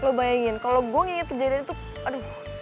lo bayangin kalau gue nginget kejadian itu aduh